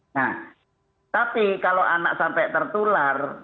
nah tapi kalau anak sampai tertular